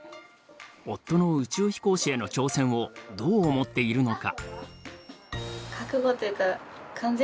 夫の宇宙飛行士への挑戦をどう思っているのか。